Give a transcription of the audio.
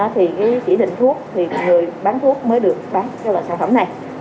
thì cái chỉ định thuốc thì người bán thuốc mới được bán cái loại sản phẩm này